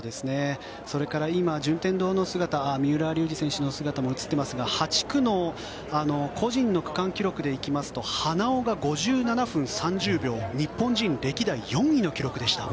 それから今三浦龍司選手の姿も映っていますが８区の個人の区間記録でいきますと花尾が５７分３０秒日本人歴代４位の記録でした。